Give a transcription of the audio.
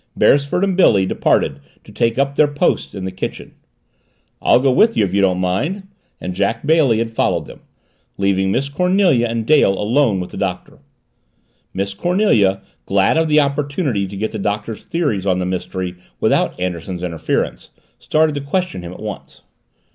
Beresford and Billy departed to take up their posts in the kitchen. "I'll go with you, if you don't mind " and Jack Bailey had followed them, leaving Miss Cornelia and Dale alone with the Doctor. Miss Cornelia, glad of the opportunity to get the Doctor's theories on the mystery without Anderson's interference, started to question him at once.